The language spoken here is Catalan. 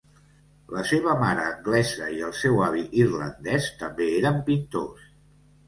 La seva mare anglesa i el seu avi irlandès també eren pintors.